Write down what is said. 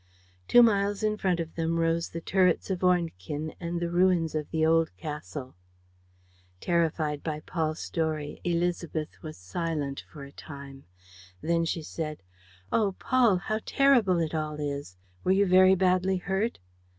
Two miles in front of them rose the turrets of Ornequin and the ruins of the old castle. Terrified by Paul's story, Élisabeth was silent for a time. Then she said: "Oh, Paul, how terrible it all is! Were you very badly hurt?"